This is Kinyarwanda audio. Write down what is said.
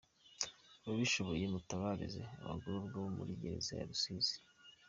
Ababishoboye mutabarize abagororwa bo muri gereza ya Rusizi!